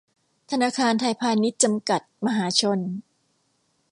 ธนาคารไทยพาณิชย์ จำกัด มหาชน